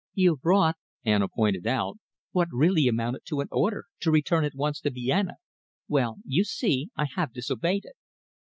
"You brought," Anna pointed out, "what really amounted to an order to return at once to Vienna. Well, you see, I have disobeyed it."